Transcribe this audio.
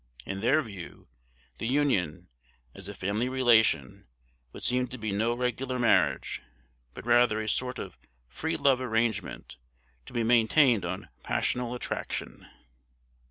In their view, the Union, as a family relation, would seem to be no regular marriage, but rather a sort of 'free love' arrangement, to be maintained on passional attraction."